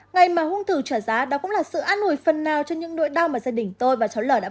ngày mà hung thủ trả giá đó cũng là sự an nổi phần nào cho những nỗi đau mà gia đình tôi và cháu l đã phải chịu đựng